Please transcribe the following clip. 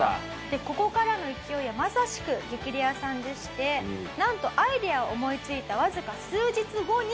ここからの勢いはまさしく激レアさんでしてなんとアイデアを思いついたわずか数日後に。